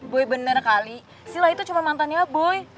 boy bener kali si la itu cuma mantannya boy